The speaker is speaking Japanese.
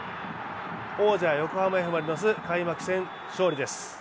王者、横浜Ｆ・マリノス開幕戦勝利です。